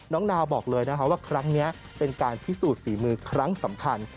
นาวบอกเลยนะคะว่าครั้งนี้เป็นการพิสูจน์ฝีมือครั้งสำคัญ